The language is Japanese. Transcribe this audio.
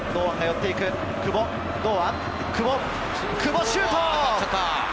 久保、シュート！